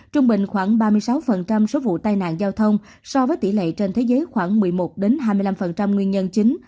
trung bình khoảng ba mươi sáu số vụ tai nạn giao thông so với tỷ lệ trên thế giới khoảng một mươi một hai mươi năm nguyên nhân chính